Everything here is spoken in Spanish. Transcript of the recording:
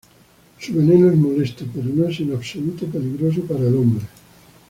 Su veneno es molesto pero no es en absoluto peligroso para el hombre.